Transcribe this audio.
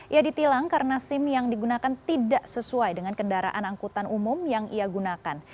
ia ditilang karena sim yang digunakan tidak sesuai dengan kendaraan angkutan umum yang ia gunakan